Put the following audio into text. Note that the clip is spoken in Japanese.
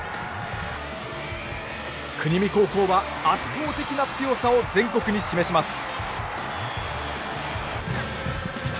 国見高校は圧倒的な強さを全国に示します。